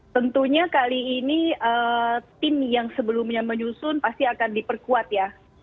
tentunya kali ini tim yang sebelumnya menyusun pasti akan diperkuat ya